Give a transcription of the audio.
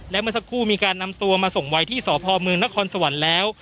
และเมื่อสักครู่มีการนำตัวมาส่งไว้ที่สพเมืองนครสวรรค์แล้ว